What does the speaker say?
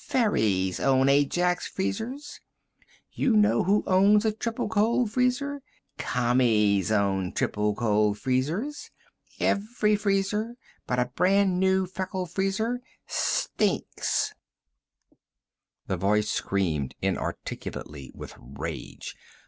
Fairies own Ajax Freezers! You know who owns a Triplecold Freezer? Commies own Triplecold Freezers! Every freezer but a brand new Feckle Freezer stinks!" The voice screamed inarticulately with rage.